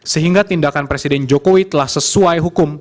sehingga tindakan presiden jokowi telah sesuai hukum